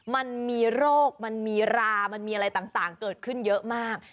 มันมีโรคมันมีรามันมีอะไรต่างเกิดขึ้นเยอะมาก